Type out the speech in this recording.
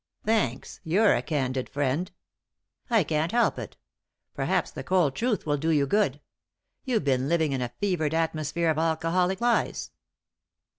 "Thanks ; you're a candid friend." " I can't help it ; perhaps the cold truth will do you good. You've been living in a fevered atmosphere of alcoholic lies."